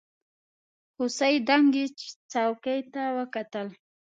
هوسۍ دنګې څوکې ته وکتل.